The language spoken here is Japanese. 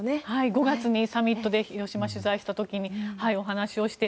５月にサミットで広島を取材した時にお話をして。